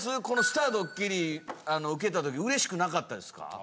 この『スターどっきり』受けたときうれしくなかったですか？